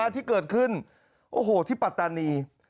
ที่เกิดขึ้นโอ้โหที่ปัตตานี